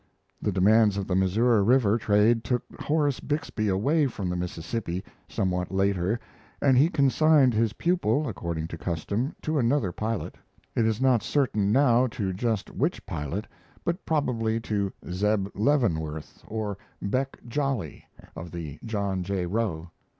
The demands of the Missouri River trade took Horace Bixby away from the Mississippi, somewhat later, and he consigned his pupil, according to custom, to another pilot it is not certain, now, to just which pilot, but probably to Zeb Leavenworth or Beck Jolly, of the John J. Roe.